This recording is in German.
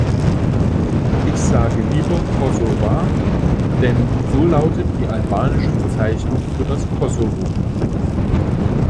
Ich sage lieber Kosova, denn so lautet die albanische Bezeichnung für das Kosovo.